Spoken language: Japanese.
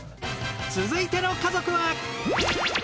続いての家族は。